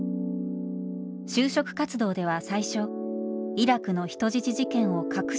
就職活動では最初イラクの人質事件を隠して応募しました。